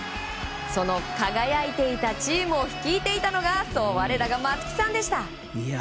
その輝いていたチームを率いていたのがそう、我らが松木さんでした。